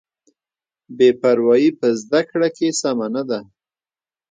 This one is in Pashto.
بې پروایي په زده کړه کې سمه نه ده.